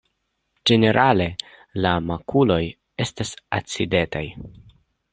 Ĝenerale la makuloj estas acidetaj.